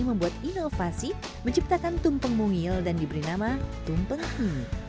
membuat inovasi menciptakan tumpeng mungil dan diberi nama tumpeng